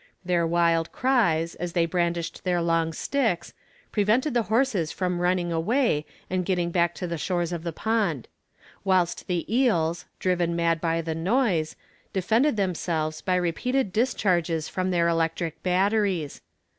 Their wild cries, as they brandished their long sticks, prevented the horses from running away and getting back to the shores of the pond; whilst the eels, driven mad by the noise, defended themselves by repeated discharges from their electric batteries.